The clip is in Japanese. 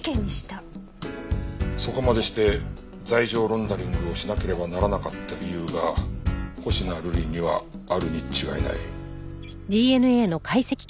そこまでして罪状ロンダリングをしなければならなかった理由が星名瑠璃にはあるに違いない。